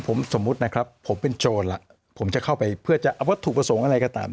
ผมสมมุตินะครับผมเป็นโจรล่ะผมจะเข้าไปเพื่อจะเอาวัตถุประสงค์อะไรก็ตาม